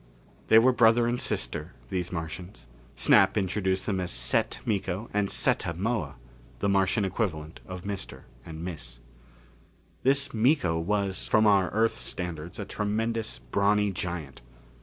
They were brother and sister, these Martians. Snap introduced them as Set Miko and Setta Moa the Martian equivalent of Mr. and Miss. This Miko was, from our Earth standards, a tremendous, brawny giant.